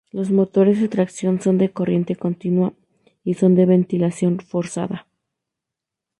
Los motores de tracción son de corriente continua y son de ventilación forzada.